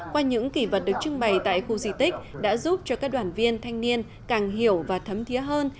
qua những kỷ vật được trưng bày tại khu di tích đã giúp cho các đoàn viên thanh niên càng hiểu và thấm thiế hơn